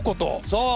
そう！